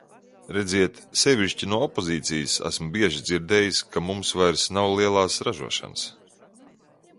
Redziet, sevišķi no opozīcijas esmu bieži dzirdējis, ka mums vairs nav lielās ražošanas.